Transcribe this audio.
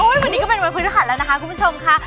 โอ๊ยวันนี้ก็เป็นวันพื้นฐานแล้วนะคะคุณผู้ชมค่ะ